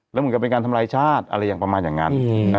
แล้วเหมือนกับเป็นการทำลายชาติอะไรอย่างประมาณอย่างนั้น